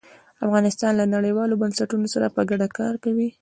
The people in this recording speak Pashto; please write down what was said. افغانستان له نړیوالو بنسټونو سره په ګډه کار کوي.